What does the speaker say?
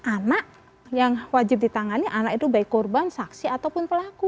anak yang wajib ditangani anak itu baik korban saksi ataupun pelaku